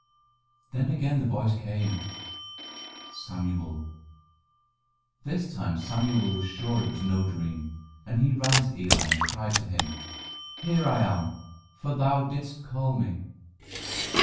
Then again the voice came: "Samuel." This time Samuel was sure it was no dream, and he ran to Eli and cried to him, "Here am I, for thou didst call me."